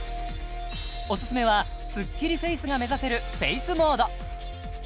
オススメはスッキリフェイスが目指せるフェイスモード